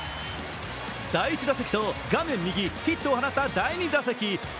第１打席と画面右、ヒットを放った第２打席。